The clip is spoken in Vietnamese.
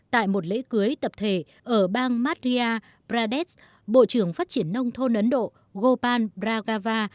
tại một lễ cưới tập thể ở bang madria pradesh bộ trưởng phát triển nông thôn ấn độ gopal bragava